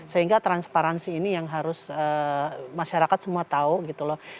sehingga transparansi ini yang harus masyarakat semua tahu gitu loh